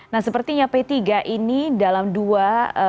nah sepertinya p tiga ini dalam dua